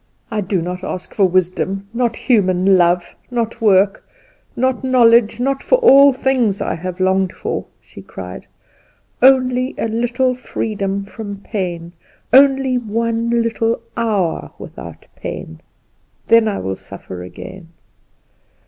"I do not ask for wisdom, not human love, not work, not knowledge, not for all things I have longed for," she cried; "only a little freedom from pain! Only one little hour without pain! Then I will suffer again."